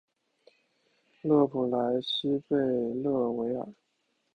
勒普莱西贝勒维尔。